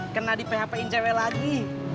kena di phpin cewek lagi